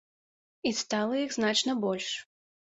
І стала іх значна больш.